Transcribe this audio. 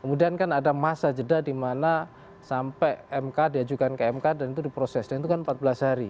kemudian kan ada masa jeda di mana sampai mk diajukan ke mk dan itu diproses dan itu kan empat belas hari